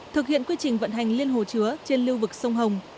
thực hiện quy trình vận hành liên hồ chứa trên lưu vực sông hồng